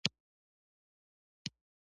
فارسي ژبه د یوه ملت د هویت ژبه نه ده.